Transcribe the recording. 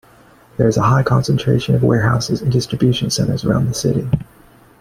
There is a high concentration of warehouses and distribution centres around the city.